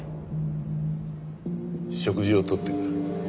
食事を取ってくる。